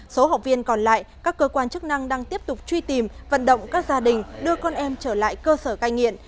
số học viên còn lại các cơ quan chức năng đang tiếp tục truy tìm vận động các gia đình đưa con em trở lại cơ sở cai nghiện